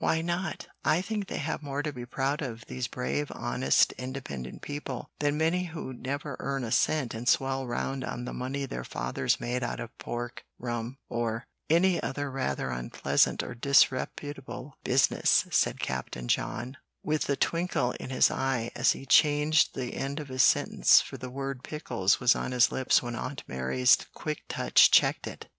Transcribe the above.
"Why not? I think they have more to be proud of, these brave, honest, independent people, than many who never earn a cent and swell round on the money their fathers made out of pork, rum, or any other rather unpleasant or disreputable business," said Captain John, with the twinkle in his eye, as he changed the end of his sentence, for the word "pickles" was on his lips when Aunt Mary's quick touch checked it.